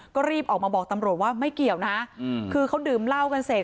ก็รีบออกมาบอกตำรวจว่าไม่เกี่ยวนะคือเขาดื่มเหล้ากันเสร็จ